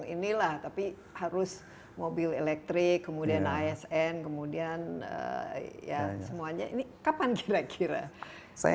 inilah tapi harus mobil elektrik kemudian asn kemudian ya semuanya ini kapan kira kira saya